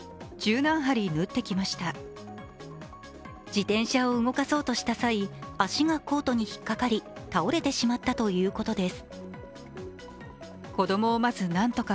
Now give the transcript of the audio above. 自転車を動かそうとした際、足がコートに引っかかり倒れてしまったということです。